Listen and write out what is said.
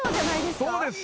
そうです。